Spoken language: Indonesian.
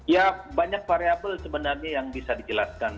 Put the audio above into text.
ya banyak variable sebenarnya yang bisa dijelaskan